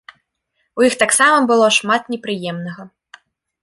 У іх таксама было шмат непрыемнага.